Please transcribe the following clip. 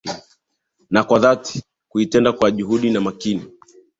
Na kwa dhati kuitenda, kwa juhudi na makini